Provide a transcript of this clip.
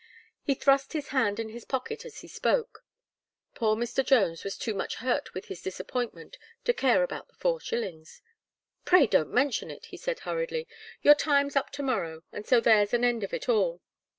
He thrust his hand in his pocket as he spoke. Poor Mr. Jones was too much hurt with his disappointment to care about the four shillings. "Pray don't mention it," he said hurriedly, "your time's up to morrow, and so there's an end of it all."